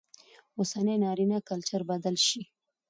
اوسنى نارينه کلچر بدل شي